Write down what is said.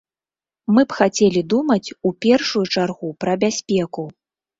Мы б хацелі думаць у першую чаргу пра бяспеку.